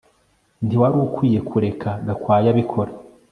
Ntiwari ukwiye kureka Gakwaya abikora